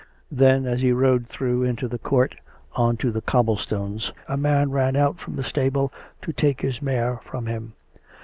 Then, as he rode through into the court on to the cobbled stones, a man ran out from the stable to take his mare from him.